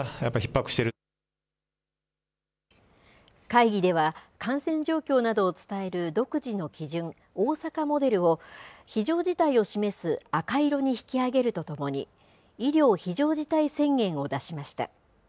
会議では、感染状況などを伝える独自の基準、大阪モデルを、非常事態を示す赤色に引き上げるとともに、医療非常事態宣言を出しました。